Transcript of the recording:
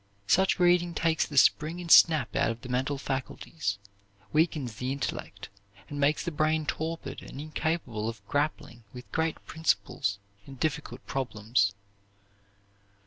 Such reading takes the spring and snap out of the mental faculties, weakens the intellect, and makes the brain torpid and incapable of grappling with great principles and difficult problems.